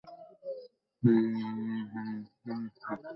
আর তাহলো সে সব ইসরাঈলী বিবরণ, শরীয়ত যার সত্যাসত্য সম্পর্কে নিরব।